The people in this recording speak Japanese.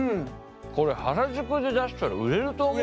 これ原宿で出したら売れると思うよ。